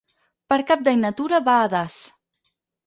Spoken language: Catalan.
Per Cap d'Any na Tura va a Das.